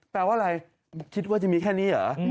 แปลว่าอะไรคิดว่าจะมีแค่นี้เหรอ